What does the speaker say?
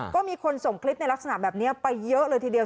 ก็มีคนส่งคลิปในลักษณะแบบนี้ไปเยอะเลยทีเดียว